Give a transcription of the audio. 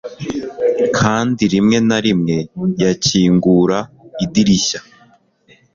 kandi rimwe na rimwe yakingura idirishya